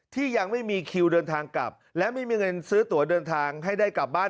ยังไม่มีคิวเดินทางกลับและไม่มีเงินซื้อตัวเดินทางให้ได้กลับบ้าน